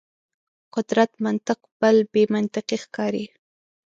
قدرت منطق بل بې منطقي ښکاري.